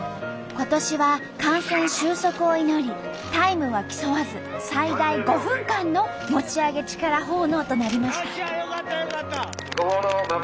今年は感染収束を祈りタイムは競わず最大５分間の餅上げ力奉納となりました。